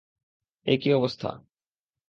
এ কী অবস্থা।